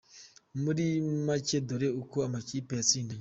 Muri make dore uko amakipe yatsindanye: .